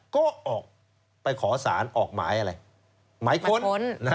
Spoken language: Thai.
ก็ออกไปขอสารออกหมายอะไรหมายค้น